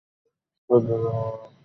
বৌদ্ধধর্মের সহিত বেদান্তের কোন বিবাদ নাই।